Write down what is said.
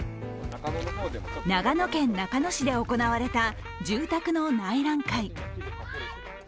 長野県中野市で行われた住宅の内覧会。